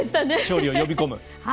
勝利を呼び込む。